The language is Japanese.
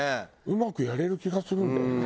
うまくやれる気がするんだよね